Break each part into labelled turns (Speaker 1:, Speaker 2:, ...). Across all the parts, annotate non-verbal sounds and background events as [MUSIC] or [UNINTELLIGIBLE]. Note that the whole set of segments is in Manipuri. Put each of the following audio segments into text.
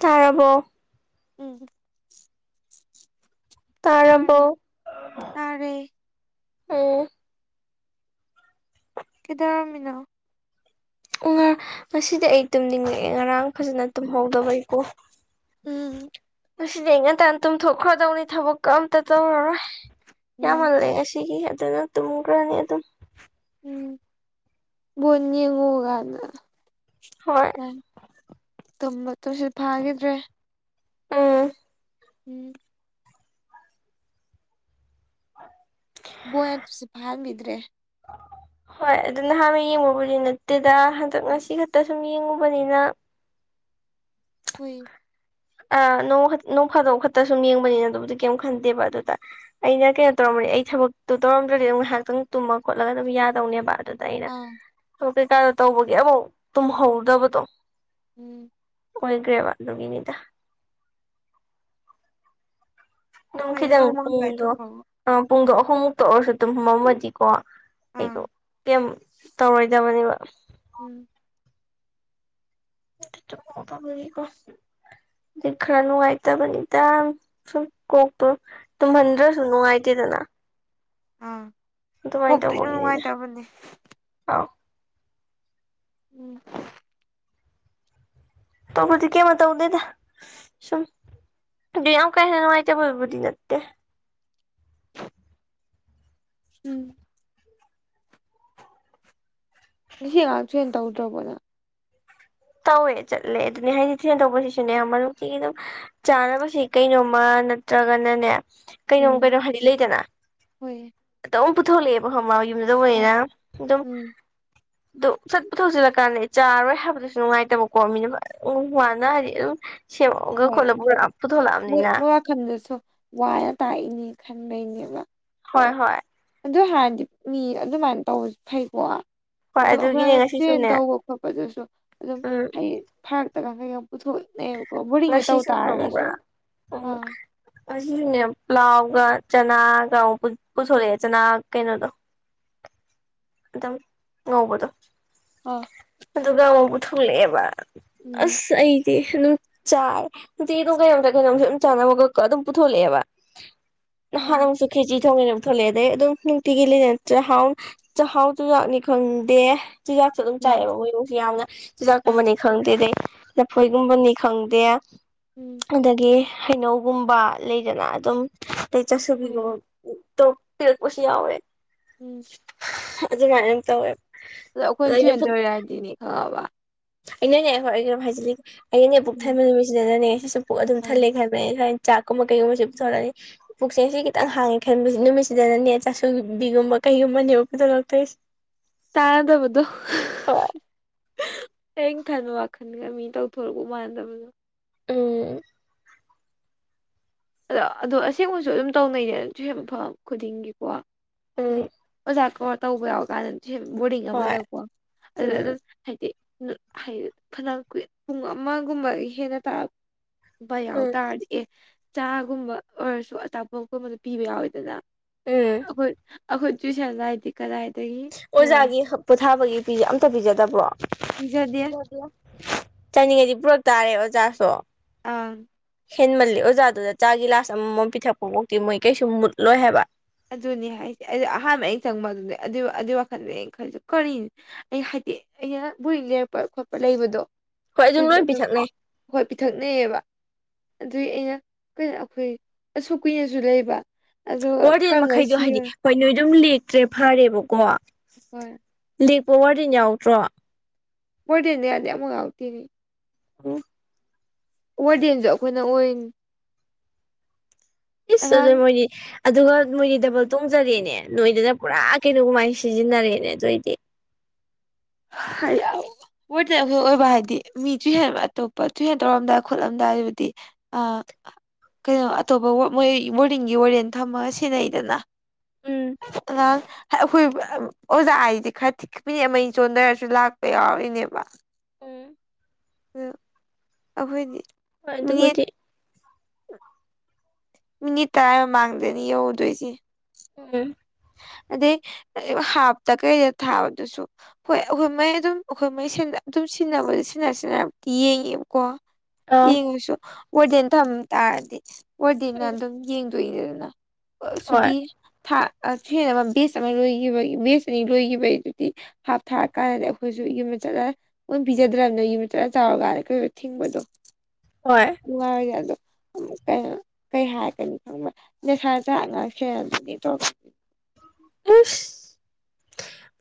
Speaker 1: ꯇꯥꯔꯕꯣ
Speaker 2: ꯎꯝ ꯇꯥꯔꯦ
Speaker 1: ꯇꯥꯔꯕꯣ
Speaker 2: ꯇꯥꯔꯦ
Speaker 1: ꯎꯝ
Speaker 2: ꯀꯦꯗꯔꯃꯤꯅꯥ
Speaker 1: ꯎꯥ ꯉꯁꯤꯗꯤ ꯑꯩ ꯇꯨꯝꯅꯤꯡꯉꯛꯑꯦ ꯉꯔꯥꯡ ꯐꯖꯅ ꯇꯨꯝꯍꯧꯗꯕꯩꯀꯣ
Speaker 2: ꯎꯝ
Speaker 1: ꯉꯁꯤꯗꯤ ꯑꯩ ꯉꯟꯇꯥꯥꯟ ꯇꯨꯝꯊꯣꯛꯈ꯭ꯔꯗꯧꯅꯤ ꯊꯕꯛꯀ ꯑꯝꯇ ꯇꯧꯔꯔꯣꯏ
Speaker 2: ꯎꯝ
Speaker 1: ꯌꯥꯝꯃꯜꯂꯦ ꯉꯁꯤꯒꯤ ꯑꯗꯨꯅ ꯇꯨꯝꯈ꯭ꯔꯅꯤ ꯑꯗꯨꯝ
Speaker 2: ꯎꯝ ꯣꯅꯤꯉꯒꯅ
Speaker 1: ꯍꯣꯏ
Speaker 2: ꯇꯨꯝꯕ ꯇꯨꯁꯨ ꯐꯥꯈꯤꯗ꯭ꯔꯦ
Speaker 1: ꯑꯥ
Speaker 2: ꯎꯝ ꯣꯌꯥ ꯁꯤꯐꯥꯜ ꯃꯗ꯭ꯔꯦ
Speaker 1: ꯍꯣꯏ ꯑꯗꯨ ꯅꯍꯥꯟꯅ ꯌꯦꯡꯉꯨꯕꯗꯤ ꯅꯠꯇꯦꯗ ꯍꯟꯗꯛ ꯉꯁꯤ ꯈꯛꯇ ꯁꯨꯝ ꯌꯦꯡꯉꯨꯕꯅꯤꯅ
Speaker 2: ꯍꯨꯏ
Speaker 1: ꯑꯣꯡ ꯅꯣꯡ ꯐꯥꯗꯣꯛ ꯈꯛꯇ ꯁꯨꯝ ꯌꯦꯡꯕꯅꯤꯅ ꯑꯗꯨꯕꯨꯗꯤ ꯀꯩꯝ ꯈꯟꯗꯦꯕ ꯑꯗꯨꯗ ꯑꯩꯅ ꯀꯩꯅꯣ ꯇꯧꯔꯝꯕꯅꯤ ꯑꯩ ꯊꯕꯛꯇꯨ ꯇꯧꯔꯝꯗ꯭ꯔꯗꯤ ꯑꯗꯨꯝ ꯉꯥꯏꯍꯥꯛꯇꯪ ꯇꯨꯝꯃ ꯈꯣꯠꯂꯒ ꯑꯗꯨꯝ ꯌꯥꯗꯧꯅꯦꯕ ꯑꯗꯨꯗ ꯑꯩꯅꯛ
Speaker 2: ꯑꯥ
Speaker 1: ꯀꯩꯀꯥꯗ ꯇꯧꯕꯒꯤꯦ ꯑꯃꯐꯧ ꯇꯨꯝꯍꯧꯗꯕꯗꯣ
Speaker 2: ꯎꯝ
Speaker 1: ꯑꯣꯏꯒ꯭ꯔꯦꯕ ꯂꯒꯅꯤꯗ
Speaker 2: ꯍꯣꯏꯅꯦ ꯅꯣꯡꯃ ꯉꯁꯥꯏ
Speaker 1: ꯅꯗꯗꯣ
Speaker 2: ꯊꯣꯛꯄꯕꯨ
Speaker 1: ꯑ ꯄꯨꯡꯒ ꯑꯍꯨꯝꯃꯨꯛꯇ ꯑꯣꯏꯔꯁꯨ ꯇꯨꯝꯃꯃꯗꯤꯀꯣ ꯑꯩꯗꯣ
Speaker 2: ꯑꯥ
Speaker 1: ꯀꯩ ꯇꯧꯔꯣꯏꯗꯕꯅꯦꯕ
Speaker 2: ꯎꯝ꯫
Speaker 1: [UNINTELLIGIBLE] ꯀꯣ꯫ ꯑꯗꯤ ꯈꯔ ꯅꯨꯡꯉꯥꯏꯇꯕꯅꯤꯗ ꯁꯨꯝ ꯀꯣꯛꯇꯣ꯫ ꯇꯝ ꯍꯟꯗ꯭ꯔꯁꯨꯨ ꯅꯨꯡꯉꯥꯏꯇꯦꯗꯅ꯫
Speaker 2: ꯑꯥ
Speaker 1: ꯑꯗꯨꯃꯥꯏ
Speaker 2: ꯀꯣꯛꯇꯨ ꯏꯅꯨꯡ
Speaker 1: ꯇꯧꯕꯒꯤꯅꯤꯗ
Speaker 2: ꯅꯨꯡꯉꯥꯏꯇꯕꯅꯦ
Speaker 1: ꯑꯧ꯫
Speaker 2: ꯎꯝ꯫
Speaker 1: ꯇꯕꯨꯗꯤ ꯀꯩꯝ ꯇꯧꯗꯦꯗ ꯁꯨꯝ꯫ ꯑꯗꯨ ꯌꯥꯝ ꯀꯥ ꯍꯦꯟꯅ ꯅꯨꯡꯉꯥꯏꯇꯥꯕꯕꯨꯗꯤ ꯅꯠꯇꯦ꯫
Speaker 2: ꯎꯝ꫰꫰ ꯉꯁꯤ ꯉꯥꯔꯡ ꯇꯨꯏꯁꯟ ꯇꯧꯗꯔꯕꯣ ꯅꯪ꯫
Speaker 1: ꯇꯧꯋꯦ ꯆꯠꯂꯦ ꯑꯗꯨꯅꯦ ꯍꯥꯏꯁꯤ ꯇꯨꯁꯟ ꯇꯧꯕꯩꯁꯤꯁꯨꯅꯦ ꯃꯔꯨꯞꯇꯤꯒꯤ ꯑꯗꯨꯝ ꯆꯥꯅꯕꯁꯤ ꯀꯩꯅꯣꯝꯃ ꯅꯠꯇ꯭ꯔꯒꯅꯅꯦ꯫ ꯀꯩꯅꯣꯝ
Speaker 2: ꯎꯝ
Speaker 1: ꯀꯩꯅꯣ ꯍꯥꯏꯗꯤ ꯂꯩꯗꯅ
Speaker 2: ꯍꯣꯏ
Speaker 1: ꯑꯗꯨꯝ ꯄꯨꯊꯣꯛꯂꯛꯑꯦꯕ ꯈꯪꯕꯔ ꯌꯨꯝꯗ ꯇꯧꯕꯅꯤꯅ ꯑꯗꯨꯝ
Speaker 2: ꯎꯝ
Speaker 1: ꯑꯗꯨ ꯁꯠ ꯄꯨꯊꯣꯛ ꯆꯤꯜꯂꯛꯀꯥꯟꯗꯤ ꯆꯥꯔꯣꯏ ꯍꯥꯏꯕꯗꯨꯁꯨ ꯅꯨꯡꯉꯥꯏꯇꯕꯀꯣ ꯃꯤꯅ ꯎꯝ ꯋꯥꯅ ꯍꯥꯏꯗꯤ ꯑꯗꯨꯝ ꯁꯦꯝꯃꯒ
Speaker 2: ꯍꯣꯏ
Speaker 1: ꯈꯣꯠꯂ ꯄꯨꯊꯣꯛꯂꯛ ꯑꯝꯅꯤꯅ꯫
Speaker 2: [UNINTELLIGIBLE] ꯋꯥꯅ ꯇꯥꯛꯏꯅꯤ ꯈꯟꯕꯩꯅꯦꯕ꯫
Speaker 1: ꯍꯣꯏ ꯍꯣꯏ꫰꫰
Speaker 2: ꯑꯗꯨ ꯍꯥꯏꯔꯨꯔꯗꯤ ꯃꯤ ꯑꯗꯨꯃꯥꯏꯅ ꯇꯧꯕꯁꯤ ꯐꯩꯀꯣ꯫
Speaker 1: ꯍꯣꯏ
Speaker 2: ꯑꯗꯨ
Speaker 1: ꯑꯗꯨꯒꯤꯅꯦ
Speaker 2: ꯑꯩꯈꯣꯏ ꯇ꯭ꯔꯦꯟ
Speaker 1: ꯉꯁꯤꯁꯨꯅꯦ
Speaker 2: ꯇꯧꯕ ꯈꯣꯠꯄꯗꯨꯁꯨ ꯑꯗꯨꯝ
Speaker 1: ꯎꯝ
Speaker 2: ꯐꯔꯛꯇꯒ ꯀꯩꯒ ꯄꯨꯊꯣꯛꯅꯩꯕꯀꯣ ꯕꯣꯔꯤꯡꯗ ꯇꯧ
Speaker 1: ꯉꯁꯤꯁꯨ
Speaker 2: ꯇꯥꯔꯒꯁꯨ ꯑꯪ꯫
Speaker 1: ꯑꯁꯤꯁꯨꯅꯦ ꯄ꯭ꯂꯥꯎꯒ ꯆꯅꯥꯒ ꯑꯃꯨꯛ ꯄꯨꯊꯣꯔꯛꯑꯦ ꯆꯅꯥ ꯀꯩꯅꯣꯗꯣ꯫ ꯑꯗꯨꯝ ꯉꯧꯕꯗꯨ꯫
Speaker 2: ꯑꯥ꯫
Speaker 1: ꯑꯗꯨꯒ ꯑꯃꯨꯛ ꯄꯨꯊꯂꯛꯑꯦꯕ
Speaker 2: ꯎꯝ
Speaker 1: ꯑꯁ ꯑꯩ ꯇꯤꯁꯨꯅꯨꯞ ꯆꯥꯔꯦ ꯅꯨꯡꯇꯤ ꯑꯗꯨꯝ ꯀꯩꯅꯣꯝꯇ ꯀꯩꯅꯣꯝ ꯑꯗꯨꯝ ꯆꯥꯅꯕ ꯑꯗꯨꯝ ꯄꯨꯊꯂꯛꯑꯦꯕ꯫
Speaker 2: [UNINTELLIGIBLE]
Speaker 1: ꯅꯍꯥꯟ ꯑꯃꯨꯛꯁꯨ ꯈꯦꯆꯤ ꯊꯣꯡꯉꯦꯅ ꯄꯨꯊꯣꯛꯂꯛꯑꯦ ꯑꯗꯩ ꯑꯗꯨꯝ ꯅꯨꯡꯇꯤꯒꯤ ꯂꯩ ꯅꯠꯇ꯭ꯔꯒ ꯍꯥꯎ ꯆꯥꯛꯍꯥꯎ ꯆꯨꯖꯥꯛꯅꯤ ꯈꯪꯗꯦ ꯆꯨꯖꯥꯛꯁꯨ ꯑꯗꯨꯝ
Speaker 2: ꯍꯣꯏ
Speaker 1: ꯆꯥꯏꯑꯦꯕ ꯃꯣꯏ ꯏꯃꯨꯡꯁꯤ ꯌꯥꯝꯅ
Speaker 2: ꯑꯥ
Speaker 1: ꯆꯨꯖꯥꯛꯀꯨꯝꯕꯅꯤ ꯈꯪꯗꯦ ꯑꯗꯩ ꯂꯐꯣꯏꯒꯨꯝꯕꯅꯤ ꯈꯪꯗꯦ꯫
Speaker 2: ꯎꯝ꯫
Speaker 1: ꯑꯗꯒꯤ ꯍꯩꯅꯧꯒꯨꯝꯕ ꯂꯩꯗꯅ ꯑꯗꯨꯝ ꯑꯇꯩ ꯆꯥꯁꯨꯕꯤꯒꯨꯝ
Speaker 2: ꯍꯣꯏ
Speaker 1: ꯇꯣꯛ ꯄꯤꯔꯛ ꯄꯁꯨ ꯌꯥꯎꯋꯦ꯫
Speaker 2: ꯎꯝ꯫
Speaker 1: ꯑꯗꯨꯃꯥꯏꯅ ꯇꯧꯋꯦꯕ꯫
Speaker 2: ꯑꯗꯣ
Speaker 1: ꯑꯗ
Speaker 2: ꯑꯩꯈꯣꯏ
Speaker 1: ꯑꯩꯅ
Speaker 2: ꯇꯨꯏꯁꯟ
Speaker 1: ꯄꯨꯛ
Speaker 2: ꯇꯧꯔꯤꯔꯥꯏꯗꯤꯅꯤ ꯈꯪꯉꯕ
Speaker 1: ꯑꯩꯅꯅꯦ ꯍꯣꯏ ꯍꯥꯏꯖꯤꯜꯂꯤꯒꯦ ꯑꯩꯅꯅꯦ ꯄꯨꯛ
Speaker 2: ꯎꯝ
Speaker 1: ꯊꯟꯕ ꯅꯨꯃꯤꯠꯁꯤꯗꯅꯅꯦ ꯉꯥꯁꯤꯁꯨ ꯄꯨꯛ ꯑꯗꯨꯝ
Speaker 2: ꯑꯥ
Speaker 1: ꯊꯜꯂꯦ ꯈꯕ [UNINTELLIGIBLE] ꯆꯥꯛꯀꯨꯝꯕ ꯀꯩꯒꯨꯝꯕꯁꯦ ꯄꯨꯊꯣꯛ ꯂꯛꯑꯅꯤ꯫ ꯄꯨꯛꯁꯦ ꯉꯁꯤ ꯈꯤꯇꯪ ꯍꯥꯡꯉꯦ ꯈꯟꯕꯁꯦ ꯅꯨꯃꯤꯠꯁꯤꯗꯅꯅꯦ ꯆꯥꯁꯨꯕꯤꯒꯨꯝꯕ ꯀꯩꯒꯨꯝꯕꯅꯦꯕ ꯄꯨꯊꯣꯛꯂꯛꯇꯣꯏꯔꯤꯁꯦ
Speaker 2: ꯇꯥꯗꯕꯗꯨ꯫
Speaker 1: ꯍꯣꯏ
Speaker 2: ꯑꯩꯟ ꯈꯟꯕ ꯋꯥꯈꯜꯒ ꯃꯤ ꯇꯧꯊꯣꯔꯛꯄ ꯃꯥꯟꯅꯗꯕꯗꯣ꯫
Speaker 1: ꯎꯝ꯫
Speaker 2: ꯑꯗꯣ ꯑꯗꯣ ꯑꯁꯦꯡꯕꯁꯨ ꯑꯗꯨꯝ ꯇꯧꯅꯩꯗꯅ ꯇꯨꯏꯁꯟ ꯃꯐꯝ ꯈꯨꯗꯤꯡꯒꯤꯀꯣ ꯍꯥꯏꯗꯤ
Speaker 1: ꯎꯝ
Speaker 2: ꯑꯣꯖꯥ ꯀꯧꯔ ꯇꯧꯕ ꯌꯥꯎꯔꯀꯥꯟꯗ ꯇꯨꯏꯁꯟ ꯕꯣꯔꯗꯤꯡ
Speaker 1: ꯍꯣꯏ
Speaker 2: ꯑꯃꯗꯀꯣ ꯑꯗꯨꯗ
Speaker 1: ꯎꯝ
Speaker 2: ꯑꯗꯨꯝ ꯍꯥꯏꯗꯤ ꯍꯥꯏꯗꯤ ꯐꯅ ꯀꯨꯏ ꯄꯨꯡ ꯑꯃꯒꯨꯝꯕ ꯍꯦꯟꯅ ꯇꯥꯛ ꯕ ꯌꯥꯎ
Speaker 1: ꯎꯝ
Speaker 2: ꯇꯔꯗꯤ ꯑꯦ ꯆꯥꯒꯨꯝꯕ ꯑꯣꯏꯔꯁꯨ ꯑꯆꯥꯄꯣꯠꯀꯨꯝꯕꯗ ꯄꯤꯕ ꯌꯥꯎꯋꯦꯗꯅ
Speaker 1: ꯎꯝ
Speaker 2: ꯑꯩꯈꯣꯏ ꯑꯩꯈꯣꯏ ꯇꯨꯏꯁꯟ ꯂꯥꯏꯗꯤ ꯀꯗꯥꯏꯗꯒꯤ ꯂꯣꯏꯔꯦ
Speaker 1: ꯑꯣꯖꯥꯒꯤ ꯄꯣꯊꯥꯕꯒꯤ ꯄꯤꯖ ꯑꯝꯇ ꯄꯤꯖꯗꯕ꯭ꯔꯣ
Speaker 2: ꯄꯤꯖꯗꯦ
Speaker 1: ꯆꯥꯅꯤꯡꯉꯩꯗꯤ ꯄꯨꯔꯛ ꯇꯥꯔꯦ ꯑꯣꯖꯥꯁꯨ
Speaker 2: ꯑꯥ
Speaker 1: ꯍꯦꯟꯃꯜꯂꯤ ꯑꯣꯖꯥꯗꯨꯗ ꯆꯥ ꯒꯤꯂꯥꯁ ꯑꯃꯃꯝ ꯄꯤꯊꯛꯄꯕꯧꯇꯤ ꯃꯣꯏ ꯀꯩꯁꯨ ꯃꯨꯠꯂꯣꯏ ꯍꯥꯏꯕ
Speaker 2: ꯑꯗꯨꯅꯤ ꯍꯥꯏꯁꯦ ꯑꯩ ꯑꯍꯥꯟꯕ ꯑꯩꯅ ꯆꯪꯕꯗꯨꯅꯦ ꯑꯗꯨ ꯑꯗꯨꯒꯤ ꯋꯥꯈꯜꯗ ꯑꯩꯅ ꯈꯜꯁꯨ ꯀꯔꯤꯅꯤ ꯑꯩ ꯍꯥꯏꯗꯤ ꯑꯩꯅ ꯕꯣꯔꯤ ꯂꯩꯔꯛꯄ ꯈꯣꯠꯄ ꯂꯩꯕꯗꯣ
Speaker 1: ꯍꯣꯏ
Speaker 2: ꯑꯗꯨꯗꯣ
Speaker 1: ꯂꯣꯏ
Speaker 2: ꯑꯗꯨꯝ
Speaker 1: ꯄꯤꯊꯛꯅꯩ
Speaker 2: ꯍꯣꯏ ꯄꯤꯊꯛꯅꯩꯌꯦꯕ ꯑꯗꯨꯏ ꯑꯩꯅ ꯀꯩꯅꯣ ꯑꯩꯈꯣꯏ ꯑꯁꯨꯛ ꯀꯨꯏꯅꯁꯨ ꯂꯩꯕ ꯑꯗꯨꯒ
Speaker 1: ꯋꯥꯔꯗꯦꯟ
Speaker 2: ꯀꯪꯉ
Speaker 1: ꯃꯈꯩꯗꯣ ꯍꯥꯏꯗꯤ
Speaker 2: ꯁꯤꯔ
Speaker 1: ꯍꯣꯏ ꯅꯣꯏꯗꯧ ꯂꯦꯛꯇ꯭ꯔꯦ ꯐꯔꯦꯕꯀꯣ
Speaker 2: ꯍꯣꯏ
Speaker 1: ꯂꯦꯛꯄ ꯋꯥꯔꯗꯦꯟ ꯌꯥꯎꯗ꯭ꯔꯣ
Speaker 2: ꯋꯥꯔꯗꯦꯟꯗꯤ ꯑꯇꯩ ꯑꯃꯥꯎ ꯌꯥꯎꯇꯦꯅꯦ
Speaker 1: ꯍꯜꯂꯣ
Speaker 2: ꯋꯥꯔꯗꯦꯟꯖꯨ ꯑꯩꯈꯣꯏꯅ ꯑꯣꯏꯅꯤ
Speaker 1: ꯏꯁ ꯑꯗꯨ
Speaker 2: ꯑꯉꯥꯡ
Speaker 1: ꯃꯣꯏꯗꯤ ꯑꯗꯨꯒ ꯅꯣꯏꯗꯤ ꯗꯕꯜ ꯇꯣꯡꯖꯔꯦꯅꯦ ꯅꯣꯏꯗꯅ ꯄꯨꯔꯥ ꯀꯩꯅꯣ ꯀꯃꯥꯏꯅ ꯁꯤꯖꯤꯟꯅꯔꯦꯅꯦ ꯑꯗꯨꯏꯗꯤ
Speaker 2: ꯍꯜꯂꯧ ꯑꯣꯏꯗ ꯑꯣꯏꯕ ꯍꯥꯏꯗꯤ ꯃꯤ ꯆꯤꯍꯦꯕ ꯑꯇꯣꯞꯄ ꯇꯨꯏꯍꯦꯟ ꯇꯧꯔꯝꯗꯥꯏ ꯈꯣꯠꯂꯝꯗꯥꯏ ꯍꯥꯏꯕꯗꯤ ꯑꯥ ꯀꯩꯅꯣ ꯑꯇꯣꯞꯄ ꯃꯣꯏ ꯕꯣꯔꯗꯤꯡꯒꯤ ꯋꯥꯔꯦꯟ ꯊꯝꯃꯒ ꯁꯦꯟꯅꯩꯗꯅ
Speaker 1: ꯎꯝ
Speaker 2: ꯍꯥ ꯑꯈꯣꯏ ꯑꯣꯖꯥ ꯑꯥꯏꯗꯤ ꯈꯔ [UNINTELLIGIBLE] ꯆꯣꯟꯗꯔꯁꯨ ꯂꯥꯛꯄ ꯌꯥꯎꯔꯤꯅꯦꯕ
Speaker 1: ꯎꯝ
Speaker 2: ꯑꯗꯨ ꯑꯩꯈꯣꯏꯗꯤ
Speaker 1: ꯍꯣꯏ
Speaker 2: ꯃꯤꯅꯤꯠ
Speaker 1: ꯑꯗꯨꯕꯨꯗꯤ
Speaker 2: ꯃꯤꯅꯤꯠ ꯇꯔꯥꯏ ꯃꯃꯥꯡꯗꯅꯤ ꯌꯧꯔꯨꯗꯣꯏꯖꯦ
Speaker 1: ꯎꯝ
Speaker 2: ꯑꯗꯩ ꯍꯥꯞꯇ ꯀꯩꯗ ꯊꯥꯕꯗꯨꯁꯨ ꯍꯣꯏ ꯑꯩꯈꯣꯏ ꯃꯩ ꯑꯗꯨꯝ ꯑꯩꯈꯣꯏ ꯃꯩ ꯑꯗꯨꯝ ꯁꯤꯖꯤꯟꯅꯕꯗ ꯁꯤꯟꯅꯔ ꯁꯤꯟꯅꯔ ꯌꯦꯡꯉꯦꯕꯀꯣ
Speaker 1: ꯑꯥ
Speaker 2: ꯌꯦꯡꯉꯁꯨ ꯋꯥꯔꯗꯦꯟ ꯊꯝ ꯇꯥꯔꯗꯤ ꯋꯥꯔꯗꯦꯟꯅ ꯑꯗꯨꯝ ꯌꯦꯡꯗꯣꯏꯅꯦꯗꯅ
Speaker 1: ꯍꯣꯏ
Speaker 2: ꯁꯨꯇꯤ ꯊꯥ ꯕꯦꯁ ꯑꯃ ꯂꯣꯏꯒꯤꯕꯒꯤ ꯕꯦꯁ ꯑꯅꯤ ꯂꯣꯏꯒꯤꯕꯒꯤꯗꯨꯗꯤ ꯍꯥꯞ ꯊꯥꯔꯀꯥꯟꯗꯗꯤ ꯑꯩꯈꯣꯏꯁꯨ ꯌꯨꯝꯗ ꯆꯠꯂꯒ ꯃꯣꯏ ꯄꯤꯖꯗ꯭ꯔꯕꯅꯤꯅ ꯌꯨꯝꯗ ꯆꯠꯂꯥ ꯆꯥꯎꯔꯀꯥꯟꯗ ꯑꯈꯣꯏꯗ ꯊꯤꯡꯕꯗꯣ
Speaker 1: ꯍꯣꯏ
Speaker 2: ꯅꯨꯡꯉꯥꯏꯔꯦ ꯑꯗꯣ ꯀꯩꯅꯣ ꯀꯩ ꯍꯥꯏꯔꯒꯅꯤ ꯈꯪꯕ ꯅꯦꯁꯥꯗ ꯉꯥꯡꯁꯦ ꯑꯗꯨꯗꯤ ꯀꯣ
Speaker 1: ꯏꯁ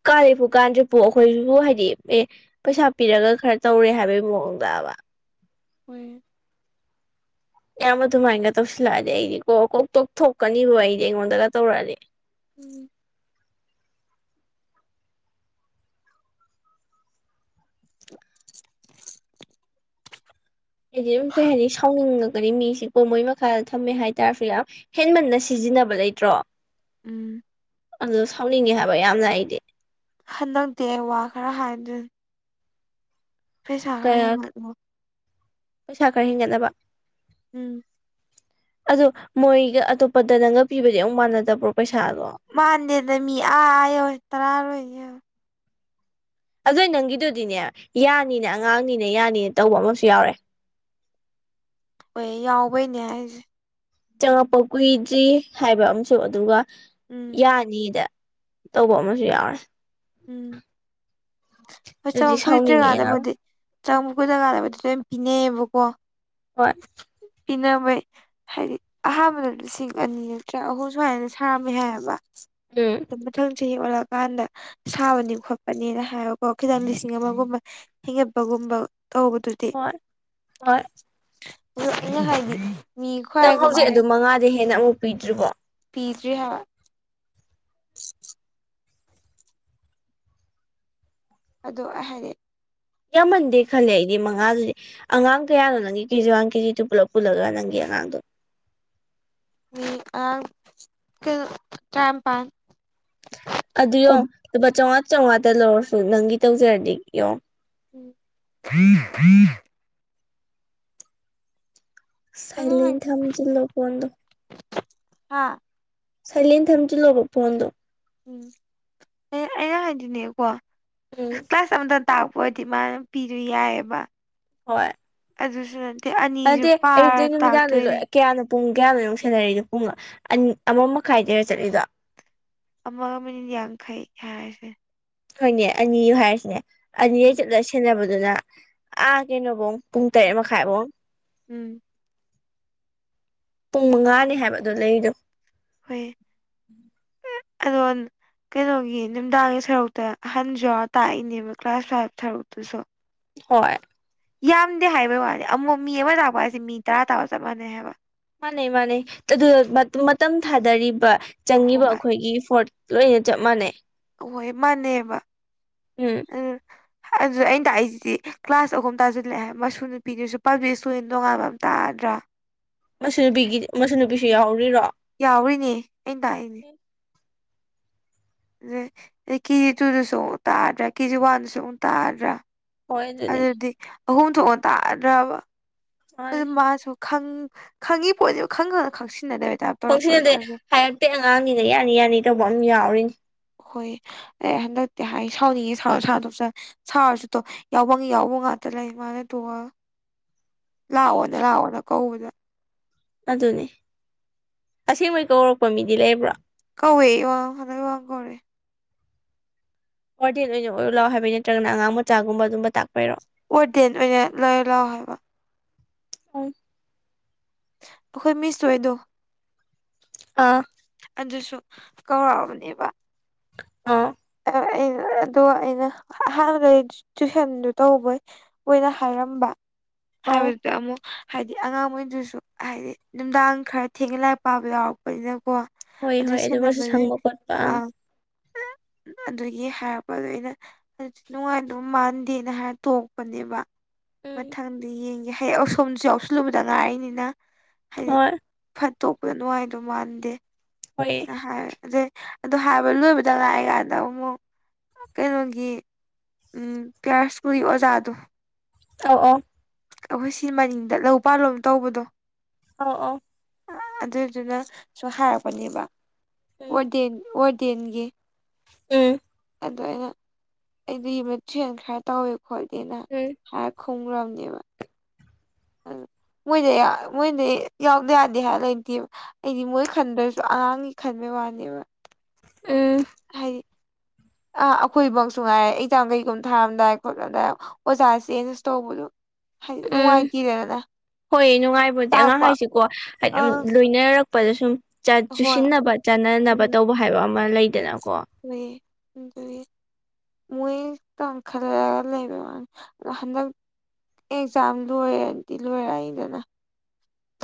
Speaker 1: ꯀꯥꯂꯦꯄꯨ ꯀꯥꯟꯗ꯭ꯔꯤꯄꯨ ꯑꯩꯈꯣꯏꯖꯤꯕꯨ ꯍꯥꯏꯗꯤ ꯑꯦ ꯄꯩꯁꯥ ꯄꯤꯔꯒ ꯈꯔ ꯇꯧꯔꯦ ꯍꯥꯏꯕꯒꯤ ꯃꯑꯣꯡꯗꯕ
Speaker 2: ꯍꯣꯏ
Speaker 1: ꯌꯥꯝ ꯑꯗꯨꯃꯥꯏꯅꯒ ꯇꯧꯁꯤꯜꯂꯛꯑꯗꯤ ꯑꯩꯗꯤ ꯀꯣ ꯀꯣꯛ ꯇꯣꯛ ꯊꯣꯛꯀꯅꯤꯕꯣ ꯑꯩꯗꯤ ꯑꯩꯉꯣꯟꯗꯒ ꯇꯧꯔꯛꯑꯗꯤ
Speaker 2: ꯎꯝ
Speaker 1: ꯍꯥꯏꯗꯤ ꯀꯩ ꯍꯥꯏꯅꯤ ꯁꯥꯎꯅꯤꯡꯉꯛ ꯃꯤꯁꯤꯀꯣ ꯃꯣꯏ ꯃꯈꯥꯗ ꯊꯝꯃꯦ ꯍꯥꯏꯇꯥꯥꯔꯁꯨ ꯌꯥꯝ ꯍꯦꯟꯃꯟꯅ ꯁꯤꯖꯤꯟꯅꯕ ꯂꯩꯇ꯭ꯔꯣ
Speaker 2: ꯎꯝ
Speaker 1: ꯑꯗꯨꯗ ꯁꯥꯎꯅꯤꯡꯉꯦ ꯍꯥꯏꯕ ꯌꯥꯝꯅ ꯑꯩꯗꯤ
Speaker 2: ꯍꯟꯗꯛꯇꯤ ꯑꯩ ꯋꯥ ꯈꯔ ꯍꯥꯏꯗꯣꯏꯅꯤ ꯄꯩꯁꯥ ꯈꯔ ꯍꯦꯟꯒꯠꯂꯣ
Speaker 1: ꯄꯩꯁꯥ ꯈꯔ ꯍꯦꯟꯒꯠꯅꯕ
Speaker 2: ꯎꯝ
Speaker 1: ꯑꯗꯣ ꯃꯣꯏꯒ ꯑꯇꯣꯞꯄꯗ ꯅꯪꯒ ꯄꯤꯕꯗꯤ ꯑꯃꯨꯛ ꯃꯥꯟꯅꯗꯕ꯭ꯔꯣ ꯄꯩꯁꯥꯗꯣ
Speaker 2: ꯃꯥꯟꯗꯦꯗ ꯃꯤ ꯑꯥ ꯌꯧꯔꯦ ꯇꯔꯥꯔꯣꯏꯅꯤ ꯌꯧ
Speaker 1: ꯑꯗꯨ ꯅꯪꯒꯤꯗꯨꯗꯤꯅꯦ ꯌꯥꯅꯤꯅ ꯑꯉꯥꯡꯅꯤꯅ ꯌꯥꯅꯤꯅ ꯇꯧꯕ ꯑꯃꯁꯨ ꯌꯥꯎꯔꯦ
Speaker 2: ꯍꯣꯏ ꯌꯥꯎꯕꯩꯅꯦ ꯍꯥꯏꯁꯦ
Speaker 1: ꯆꯪꯉꯛꯄ ꯀꯨꯏꯗ꯭ꯔꯤ ꯍꯥꯏꯕ ꯑꯃꯁꯝꯨ ꯑꯗꯨꯒ
Speaker 2: ꯎꯝ
Speaker 1: ꯌꯥꯅꯤ ꯅꯤꯗ ꯇꯧꯕ ꯑꯃꯁꯨ ꯌꯥꯎꯔꯦ
Speaker 2: ꯎꯝ
Speaker 1: ꯑꯗꯨꯗꯤ
Speaker 2: ꯆꯪꯉꯛ ꯀꯨꯏꯗ꯭ꯔꯤ
Speaker 1: ꯁꯥꯎꯅꯤꯡꯉꯦ ꯌꯥꯔꯣꯏ
Speaker 2: ꯀꯥꯟꯗꯕꯨꯗꯤ ꯆꯪꯉꯛꯄ ꯀꯨꯏꯗꯔꯤ ꯀꯥꯟꯗꯥꯕꯨꯗꯤ ꯂꯣꯏꯝ ꯄꯤꯅꯩꯌꯦꯕꯀꯣ
Speaker 1: ꯍꯣꯏ
Speaker 2: ꯄꯅꯕꯩ ꯍꯥꯏꯗꯤ ꯑꯍꯥꯟꯕꯗ ꯂꯤꯁꯤꯡ ꯑꯅꯤ ꯅꯠꯇ꯭ꯔꯥ ꯑꯍꯨꯝ ꯁꯨꯃꯥꯏꯅ ꯁꯥꯔꯝꯃꯦ ꯍꯥꯏꯌꯦꯕ
Speaker 1: [UNINTELLIGIBLE]
Speaker 2: ꯃꯊꯪ ꯆꯍꯤ ꯑꯣꯜꯂꯛꯑꯀꯥꯟꯗ ꯁꯥꯕꯅꯤ ꯈꯣꯠꯄꯅꯤꯅ ꯍꯥꯏꯕꯀꯣ ꯈꯤꯇꯪ ꯂꯤꯁꯤꯡ ꯑꯃꯒꯨꯝꯕ ꯍꯤꯡꯒꯠꯄꯒꯨꯝꯕ ꯇꯧꯕꯗꯨꯗꯤ
Speaker 1: [UNINTELLIGIBLE]
Speaker 2: ꯄꯨꯔꯛꯅꯤꯉꯥꯏ ꯍꯥꯏꯗꯤ ꯃꯤ ꯈ꯭ꯋꯥꯏ
Speaker 1: ꯅꯪ ꯍꯧꯖꯤꯛ
Speaker 2: ꯀꯃꯥꯏꯅ
Speaker 1: ꯑꯗꯨ ꯃꯉꯥꯗꯩ ꯍꯦꯟꯅ ꯑꯃꯨꯛ ꯄꯤꯗ꯭ꯔꯤꯕꯣ
Speaker 2: ꯄꯤꯗꯔꯤ ꯍꯥꯏꯕ ꯑꯗꯣ ꯑꯩ ꯍꯥꯏꯗꯤ
Speaker 1: ꯌꯥꯝꯃꯟꯗꯦ ꯈꯜꯂꯦ ꯑꯩꯗꯤ ꯃꯉꯥꯗꯨꯗꯤ ꯑꯉꯥꯡ ꯀꯌꯥꯅꯣ ꯅꯪꯒꯤ ꯀꯦꯖꯤ ꯋꯥꯟ ꯀꯦꯖꯤ ꯇꯨ ꯄꯨꯂꯞ ꯄꯨꯜꯂꯒ ꯅꯪꯒꯤ ꯑꯉꯥꯡꯗꯣ
Speaker 2: ꯎꯝ ꯑꯉꯥꯡ ꯀꯩꯅꯣ ꯇꯔꯥꯅꯤꯄꯥꯜ
Speaker 1: ꯑꯗꯨ ꯌꯣ
Speaker 2: ꯎꯝ
Speaker 1: ꯂꯨꯄꯥ ꯆꯥꯝꯉꯥ ꯆꯥꯝꯉꯥꯗ ꯂꯧꯔꯁꯨ ꯅꯪꯒꯤ ꯇꯧꯖꯔꯗꯤ ꯌꯦꯡꯉꯣ
Speaker 2: [UNINTELLIGIBLE]
Speaker 1: ꯁꯥꯏꯂꯦꯟ ꯊꯝꯖꯤꯜꯂꯣ ꯐꯣꯟꯗꯣ
Speaker 2: ꯍꯥꯥ
Speaker 1: ꯁꯥꯏꯂꯦꯟ ꯊꯝꯖꯜꯂꯣꯕ ꯐꯣꯟꯗꯣ
Speaker 2: ꯎꯝ ꯑꯦ ꯑꯩꯅ ꯍꯥꯏꯗꯤꯅꯦꯀꯣ
Speaker 1: ꯎꯝ
Speaker 2: ꯀ꯭ꯂꯥꯁ ꯑꯃꯗ ꯇꯥꯛ ꯍꯣꯏꯗꯤꯃꯥꯟ ꯄꯤꯁꯨ ꯌꯥꯏꯑꯕ
Speaker 1: ꯍꯣꯏ
Speaker 2: ꯑꯗꯨꯁꯨ ꯅꯠꯇꯦ ꯑꯅꯤꯁꯨ
Speaker 1: ꯅꯠꯇꯦ
Speaker 2: ꯄꯥꯔ
Speaker 1: ꯑꯌꯨꯛꯇꯩ ꯅꯨꯃꯤꯗꯥꯡꯗꯩ
Speaker 2: ꯇꯥꯛꯇꯣꯏꯅꯦ
Speaker 1: ꯂꯣꯏ ꯀꯌꯥꯅꯣ ꯄꯨꯡ ꯀꯌꯥꯅꯣ ꯌꯨꯛ ꯁꯦꯟꯅꯔꯤꯅꯣ ꯄꯨꯡ ꯑ ꯑꯃ ꯃꯈꯥꯏꯗꯩꯔ ꯆꯠꯂꯤꯗꯣ
Speaker 2: ꯑꯃꯒ ꯃꯤꯅꯤꯠ ꯌꯥꯡꯈꯩ ꯍꯥꯏꯔꯁꯦ
Speaker 1: ꯑꯩꯈꯣꯏꯅꯦ ꯑꯅꯤ ꯍꯥꯏꯔꯤꯁꯤꯅꯦ ꯑꯅꯤꯔꯩ
Speaker 2: ꯎꯝ
Speaker 1: ꯆꯠꯂꯁꯤ ꯁꯦꯟꯅꯕꯗꯨꯅ ꯑꯥ ꯀꯩꯅꯣꯐꯧ ꯄꯨꯡ ꯇꯔꯦꯠ ꯃꯈꯥꯏꯐꯥꯎ
Speaker 2: ꯎꯝ
Speaker 1: ꯄꯨꯡ ꯃꯉꯥꯅꯤ ꯍꯥꯏꯕꯗꯣ ꯂꯩꯗꯣ ꯎꯝ
Speaker 2: ꯑꯗ ꯀꯩꯅꯣꯒꯤ ꯅꯨꯡꯗꯥꯡꯒꯤ ꯁꯔꯨꯛꯇ ꯑꯍꯟꯁꯨ ꯌꯥꯎꯔ ꯇꯥꯛꯏꯅꯦꯕ ꯀ꯭ꯂꯥꯁ ꯐꯥꯏꯚ ꯁꯔꯨꯛꯇꯨꯁꯨ
Speaker 1: ꯍꯣꯏ
Speaker 2: ꯌꯥꯝꯗꯦ ꯍꯥꯏꯕꯩ ꯋꯥꯅꯤ ꯑꯃꯨꯛ ꯃꯤ ꯑꯃ ꯇꯥꯛꯄ ꯍꯥꯏꯁꯦ ꯃꯤ ꯇꯔꯥ ꯇꯥꯔ ꯆꯠ ꯃꯥꯟꯅꯩ ꯍꯥꯏꯕ
Speaker 1: ꯃꯥꯅꯦꯩ ꯃꯥꯅꯦ ꯑꯗꯨ ꯃꯇꯝ ꯊꯥꯗꯔꯤꯕ ꯆꯪꯉꯤꯕ
Speaker 2: ꯍꯣꯏ
Speaker 1: ꯑꯩꯈꯣꯏꯒꯤ ꯐꯣꯔꯠ ꯂꯣꯏꯅ ꯆꯞ ꯃꯥꯟꯅꯩ
Speaker 2: ꯑꯍꯣꯏ ꯃꯥꯅꯦꯕ
Speaker 1: ꯎꯝ
Speaker 2: ꯎ ꯑꯗꯨꯗ ꯑꯩꯅ ꯇꯥꯛꯏꯁꯤꯗꯤ ꯀ꯭ꯂꯥꯁ ꯑꯍꯨꯝ ꯇꯥꯁꯤꯜꯂꯛꯑꯦ ꯃꯁꯨ ꯅꯨꯄꯤꯗꯨꯁꯨ ꯄꯥꯕ꯭ꯂꯤꯛ ꯏꯁꯇꯨꯗꯦꯟ ꯇꯣꯉꯥꯟꯕ ꯑꯃ ꯇꯥꯗ꯭ꯔꯥ
Speaker 1: ꯃꯆ ꯅꯨꯄꯤꯒꯤ ꯃꯆ ꯅꯨꯄꯤꯁꯨ ꯌꯥꯎꯔꯤꯔꯣ
Speaker 2: ꯌꯥꯎꯔꯤꯅꯦ ꯑꯩꯅ ꯇꯥꯛꯏꯅꯦ ꯑꯗꯨ ꯀꯦꯖꯤ ꯇꯨꯗꯁꯨ ꯑꯃꯨꯛ ꯇꯥꯗ꯭ꯔꯥ ꯀꯦꯖꯤ ꯋꯥꯟꯗꯁꯨ ꯑꯃꯨꯛ ꯇꯥꯗ꯭ꯔꯥ
Speaker 1: ꯍꯣꯏ ꯑꯗꯨꯅꯤ
Speaker 2: ꯑꯗꯨꯗꯤ ꯑꯍꯨꯝ ꯊꯣꯛꯅ ꯇꯥꯗ꯭ꯔꯕ
Speaker 1: ꯃꯥꯅꯤ
Speaker 2: ꯑꯗꯨ ꯃꯥꯁꯨ ꯈꯪ ꯈꯪꯉꯤ ꯄꯣꯠꯅꯦꯕ ꯈꯪꯉꯒ ꯈꯪꯁꯤꯟꯅꯗꯕꯩ ꯇꯥꯏꯞ
Speaker 1: ꯈꯪꯁꯤꯟꯅꯗꯦ
Speaker 2: ꯇꯧꯔꯛꯄꯗꯨꯗꯅꯦ
Speaker 1: ꯍꯥꯏꯔꯛꯇꯦ ꯑꯉꯥꯡꯅꯤꯅ ꯌꯥꯅꯤ ꯌꯥꯅꯤ ꯇꯧꯕ ꯑꯃ ꯌꯥꯎꯔꯤꯅꯤ
Speaker 2: ꯍꯣꯏ ꯑꯩ ꯍꯟꯗꯛꯇꯤ ꯍꯥꯏ ꯁꯥꯎꯅꯤꯡꯉꯦ ꯁꯥꯎꯔ ꯁꯥꯎ ꯇꯣꯛꯆꯧ ꯁꯥꯎꯔꯁꯨ ꯇꯣꯛ ꯌꯥꯎꯕꯝꯒꯤ ꯌꯥꯎꯕꯝ ꯉꯥꯛꯇ ꯂꯩ ꯃꯥꯅ ꯇꯣꯡꯉꯒ ꯂꯥꯛꯑꯣꯅ ꯂꯥꯛꯑꯣꯅ ꯀꯧꯕꯗ
Speaker 1: ꯑꯗꯨꯅꯤ ꯑꯁꯦꯡꯕꯩ ꯀꯧꯔꯛꯄ ꯃꯤꯗꯤ ꯂꯩꯕ꯭ꯔꯣ
Speaker 2: ꯀꯧꯋꯦ [UNINTELLIGIBLE] ꯀꯧꯔꯦ
Speaker 1: ꯋꯥꯔꯗꯦꯟ ꯑꯣꯏꯅ ꯑꯣꯏꯔꯨ ꯂꯥꯛꯑꯣ ꯍꯥꯏꯕꯩ ꯅꯠꯇ꯭ꯔꯒꯅ ꯑꯉꯥꯡ ꯃꯆꯥꯒꯨꯝꯕ ꯑꯗꯨꯨꯝꯕ ꯇꯥꯛꯄꯩꯔꯣ
Speaker 2: ꯋꯥꯔꯗꯦꯟ ꯑꯣꯏꯅ ꯂꯩꯔꯣ ꯂꯥꯎ ꯍꯥꯏꯕ ꯑꯈꯣꯏ ꯃꯤꯁ ꯍꯣꯏꯗꯣ
Speaker 1: ꯑꯥ
Speaker 2: ꯑꯗꯨꯁꯨ ꯀꯧꯔꯛꯑꯕꯅꯦꯕ
Speaker 1: ꯑ
Speaker 2: ꯑꯩꯅ ꯑꯗꯣ ꯑꯩꯅ ꯑꯍꯥꯟꯕꯩ ꯇꯨꯏꯁꯟꯗꯨ ꯇꯧꯕꯩ ꯃꯣꯏꯅ ꯍꯥꯏꯔꯝꯕ
Speaker 1: ꯑꯧ
Speaker 2: ꯍꯥꯏꯕꯗꯨꯗ ꯑꯃꯨꯛ ꯍꯥꯏꯗꯤ ꯑꯉꯥꯡꯃꯩꯗꯨꯁꯨ ꯍꯥꯏꯗꯤ ꯅꯨꯡꯗꯥꯡ ꯈꯔ ꯊꯦꯡꯅ ꯂꯥꯏꯛ ꯄꯥꯕ ꯌꯥꯎꯔꯛꯄꯅꯤꯅꯀꯣ
Speaker 1: ꯍꯣꯏ
Speaker 2: ꯑꯗꯨ
Speaker 1: ꯍꯣꯏ ꯑꯗꯨꯒꯁꯨ
Speaker 2: ꯁꯦꯟꯕꯗꯤ
Speaker 1: ꯁꯪꯕ ꯈꯣꯠꯄ
Speaker 2: ꯑ
Speaker 1: ꯑꯪ
Speaker 2: ꯑꯗꯨꯒꯤ ꯍꯥꯏꯔꯛꯄ ꯗꯣ ꯑꯩꯅ ꯅꯨꯡꯉꯥꯏꯗꯨ ꯃꯥꯟꯗꯦꯅ ꯍꯥꯏꯔ ꯇꯣꯛꯄꯅꯦꯕ
Speaker 1: ꯎꯝ
Speaker 2: ꯃꯊꯪꯗꯤ ꯌꯦꯡꯒꯦ ꯍꯌꯦꯡ ꯑꯁꯣꯝꯁꯨ ꯌꯥꯎꯁꯜꯂꯨꯕꯗ ꯉꯥꯏꯔꯤꯅꯤꯅ ꯍꯥꯏꯗꯤ
Speaker 1: ꯍꯣꯏ
Speaker 2: ꯐꯠ ꯇꯣꯛꯄꯗꯨ ꯅꯨꯡꯉꯥꯏꯗꯧ ꯃꯥꯟꯗꯦ
Speaker 1: ꯍꯣꯏ
Speaker 2: ꯍꯥꯏ ꯑꯗꯩ ꯑꯗꯨ ꯍꯥꯏꯕ ꯂꯣꯏꯕꯗ ꯉꯥꯏ ꯀꯥꯟꯗ ꯑꯃꯨꯛ ꯀꯩꯅꯣꯒꯤ ꯎꯝ ꯄ꯭ꯌꯥꯔꯁ ꯁ꯭ꯀꯨꯜꯒꯤ ꯑꯣꯖꯥꯗꯣ
Speaker 1: ꯑꯧ ꯑꯧ
Speaker 2: ꯑꯈꯣꯏ ꯁꯤ ꯃꯅꯤꯡꯗ ꯂꯧ ꯄꯥꯜꯂꯣꯝ ꯇꯧꯕꯗꯣ
Speaker 1: ꯑꯧ ꯑꯧ
Speaker 2: ꯑꯗꯨꯗꯨꯅꯁꯨ ꯍꯥꯏꯔꯛꯄꯅꯦꯕ
Speaker 1: ꯎꯝ
Speaker 2: ꯋꯥꯔꯗꯦꯟ ꯋꯥꯔꯗꯦꯟꯒꯤ
Speaker 1: ꯎꯝ
Speaker 2: ꯑꯗꯣ ꯑꯩꯅ ꯑꯩꯗꯤ [UNINTELLIGIBLE] ꯈꯔ ꯇꯧꯋꯦ ꯈꯣꯠꯂꯤꯅ
Speaker 1: ꯎꯝ
Speaker 2: ꯍꯥꯏꯔ ꯈꯨꯝꯒ꯭ꯔꯥꯝꯅꯦꯕ ꯑꯗꯨ ꯃꯣꯏꯗꯤ ꯌꯥ ꯃꯣꯏꯗꯤ ꯌꯥꯎꯗ ꯌꯥꯗꯦ ꯍꯥꯏꯕ ꯂꯩꯇꯦꯕ ꯑꯩꯗꯤ ꯃꯣꯏ ꯈꯟꯗ꯭ꯔꯁꯨ ꯑꯉꯥꯡꯒꯤ ꯈꯟꯕꯩ ꯋꯥꯅꯦꯕ
Speaker 1: ꯎꯝ
Speaker 2: ꯍꯥꯏꯗꯤ ꯑꯥ ꯑꯈꯣꯏꯕꯣꯛꯁꯨ ꯉꯥꯏꯔꯦ ꯑꯦꯛꯖꯥꯝ ꯀꯩꯒꯨꯝ ꯊꯥꯔꯝꯗꯥꯏ ꯈꯣꯠꯂꯝꯗꯥꯏ ꯑꯣꯖꯥ ꯆꯦꯟꯖ ꯇꯧꯕꯗꯣ ꯍꯥꯏꯗꯤ
Speaker 1: ꯎꯝ
Speaker 2: ꯅꯨꯡꯉꯥꯏꯇꯦꯗꯅ
Speaker 1: ꯍꯣꯏ ꯅꯨꯡꯉꯥꯏ ꯄꯣꯠꯇꯦ ꯑꯉꯥꯡ
Speaker 2: ꯇꯥꯛꯄ
Speaker 1: ꯍꯥꯏꯁꯤꯀꯣ ꯍꯥꯏꯗꯤ
Speaker 2: ꯑꯥ
Speaker 1: ꯂꯣꯏꯅꯔꯛꯄꯗ ꯁꯨꯝ
Speaker 2: ꯍꯣꯏ
Speaker 1: ꯆꯨꯁꯤꯟꯅꯕ ꯆꯥꯅꯅꯕ ꯇꯧꯕ ꯍꯥꯏꯕ ꯑꯃ ꯂꯩꯗꯅꯀꯣ
Speaker 2: ꯂꯩꯌꯦ ꯑꯗꯨꯅꯤ ꯃꯣꯏ ꯇꯪꯈꯠꯂꯒ ꯂꯩꯕꯩ ꯋꯥꯅꯤ ꯑꯗꯣ ꯍꯟꯗꯛ ꯑꯦꯛꯖꯥꯝ ꯂꯣꯏꯔꯗꯤ ꯂꯣꯏꯔꯛꯅꯤꯗꯅ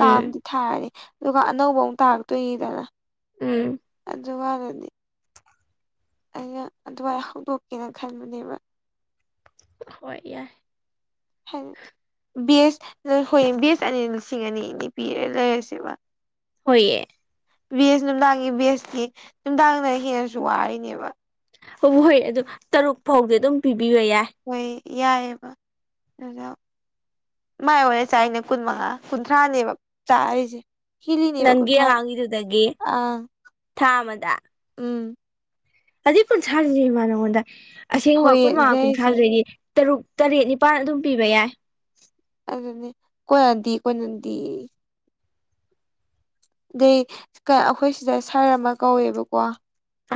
Speaker 1: ꯎꯝ
Speaker 2: ꯊꯥꯔꯅꯤ ꯑꯗꯨꯒ ꯑꯅꯧꯕ ꯑꯃꯨꯛ ꯇꯥꯔꯛꯇꯣꯏꯅꯤꯗꯅ
Speaker 1: ꯎꯝ
Speaker 2: ꯑꯗꯨꯒꯗꯨꯗꯤ ꯑꯩꯅ ꯑꯗꯨꯃꯥꯏ ꯍꯧꯗꯣꯛꯀꯦꯅ ꯈꯟꯕꯅꯦꯕ
Speaker 1: ꯍꯣꯏ ꯌꯥꯏ
Speaker 2: ꯍꯦꯜ ꯕꯦꯁ ꯍꯣꯏ ꯕꯦꯁ ꯑꯅꯤ ꯂꯤꯁꯤꯡ ꯑꯅꯤ ꯑꯅꯤ ꯄꯤꯔꯦ ꯂꯩꯔꯁꯦꯕ
Speaker 1: ꯍꯣꯏꯌꯦ
Speaker 2: ꯕꯦꯁ ꯅꯨꯡꯗꯥꯡꯒꯤ ꯕꯦꯁꯀꯤ ꯅꯨꯡꯗꯥꯡꯅ ꯍꯦꯟꯅꯁꯨ ꯋꯥꯔꯤꯅꯦꯕ
Speaker 1: ꯍꯣ ꯍꯣ ꯍꯣꯏ ꯑꯗꯨ ꯇꯔꯨꯛ ꯐꯥꯎꯗꯤ ꯑꯗꯨꯝ ꯄꯤꯕꯤꯕ ꯌꯥꯏ
Speaker 2: ꯍꯣꯏ ꯌꯥꯏꯑꯕ ꯑꯗꯨꯖ ꯃꯥꯏ ꯑꯣꯏꯔꯦ ꯆꯥꯛꯅꯦ ꯀꯨꯟ ꯃꯉꯥ ꯀꯨꯟꯊ꯭ꯔꯥꯅꯦꯕ ꯆꯥꯔꯤꯁꯦ ꯍꯤꯂꯤꯅꯦꯕ
Speaker 1: ꯅꯪꯒꯤ
Speaker 2: ꯀꯨꯟꯊ꯭ꯔꯥ
Speaker 1: ꯑꯉꯥꯡꯒꯤꯗꯨꯗꯒꯤ
Speaker 2: ꯑ
Speaker 1: ꯊꯥ
Speaker 2: ꯎꯝ
Speaker 1: ꯑꯗꯨꯩ ꯀꯨꯟꯊ꯭ꯔꯥꯗꯃ ꯅꯉꯣꯟꯗ ꯑꯁꯦꯡꯕ
Speaker 2: ꯍꯣꯏꯌꯦ ꯑꯗꯨꯗ
Speaker 1: ꯀꯨꯟꯃꯉꯥ
Speaker 2: ꯑꯩꯁꯦ
Speaker 1: ꯀꯨꯟꯊ꯭ꯔꯥꯗꯗꯒꯤ ꯇꯔꯨꯛ ꯇꯔꯦꯠ ꯅꯤꯄꯥꯜ ꯑꯗꯨꯝ ꯄꯤꯕ ꯌꯥꯏ
Speaker 2: ꯑꯗꯨꯅꯦ ꯀꯣꯏꯅꯗꯤ ꯀꯣꯏꯅꯗꯤ ꯑꯗꯩ ꯑꯩꯈꯣꯏ ꯁꯤꯗ ꯁꯥꯔ ꯑꯃ ꯀꯧꯋꯦꯕꯀꯣ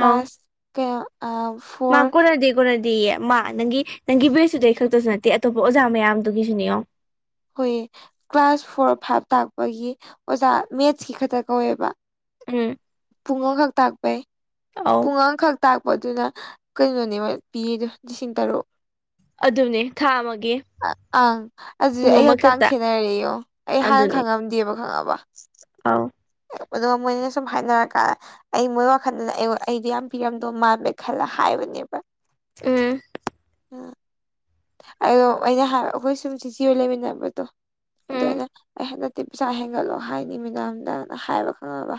Speaker 1: ꯑꯧ
Speaker 2: ꯀ ꯑ ꯐꯣꯔ
Speaker 1: ꯀꯅꯗꯤ ꯃꯥ ꯅꯪꯒꯤ ꯅꯪꯒꯤ ꯕꯦꯁꯇꯨꯗꯩ ꯈꯛꯇꯁꯨ ꯅꯠꯇꯦ ꯑꯇꯣꯞꯄ ꯑꯣꯖꯥ ꯃꯌꯥꯝꯗꯨꯒꯤꯁꯨꯅꯤꯉꯣ
Speaker 2: ꯍꯣꯏꯌꯦ ꯀ꯭ꯂꯥꯁ ꯐꯣꯔ ꯐꯥꯏꯚ ꯇꯥꯛꯄꯒꯤ ꯑꯣꯖꯥ ꯃꯦꯠꯁꯀꯤ ꯈꯛꯇ ꯀꯧꯋꯦꯕ
Speaker 1: ꯎꯝ
Speaker 2: ꯄꯨꯡ ꯑꯃꯈꯛ ꯇꯥꯛꯄꯩ
Speaker 1: ꯑ
Speaker 2: ꯄꯨꯡ ꯑ ꯑꯃꯈꯛ ꯇꯥꯛꯄꯗꯨꯅ ꯀꯩꯅꯣꯅꯦꯕ ꯄꯤꯔꯤꯗꯣ ꯂꯤꯁꯤꯡ ꯇꯔꯨꯛ
Speaker 1: ꯑꯗꯨꯅꯦ ꯊꯥ ꯃꯥꯒꯦ
Speaker 2: ꯑ ꯑꯗꯨꯗꯤ ꯑꯩꯒꯛꯀ ꯈꯦꯠꯅꯔꯣ ꯑꯩ ꯍꯥꯟꯅ ꯈꯪꯉꯝꯗꯦꯕ ꯈꯪꯉꯕ
Speaker 1: ꯑꯥꯎ
Speaker 2: ꯑꯗꯨꯒ ꯃꯣꯏꯅ ꯁꯨꯝ ꯍꯥꯏꯅꯔ ꯀꯥꯟꯗꯦ ꯑꯩ ꯃꯣꯏ ꯋꯥꯈꯜꯗꯅ ꯑꯩ ꯑꯩꯗꯣ ꯌꯥꯝ ꯄꯤꯔꯝꯗꯣ ꯃꯥꯜꯃꯦ ꯈꯜꯂ ꯍꯥꯏꯕꯅꯦꯕ
Speaker 1: ꯎꯝ
Speaker 2: ꯎ ꯑꯗꯣ ꯑꯩꯅ ꯑꯩꯈꯣꯏ ꯁꯨꯝ ꯆꯤꯆꯔ ꯂꯩꯃꯤꯟꯅꯕꯗꯣ ꯑꯗꯨꯗ
Speaker 1: ꯎꯝ
Speaker 2: ꯑꯩꯅ ꯑꯩ ꯍꯟꯗꯛꯇꯤ ꯄꯩꯁꯥ ꯍꯦꯟꯒꯠꯂꯣ ꯍꯥꯏꯅꯤ ꯃꯤꯅꯝꯗꯅ ꯍꯥꯏꯕ ꯈꯪꯉꯕ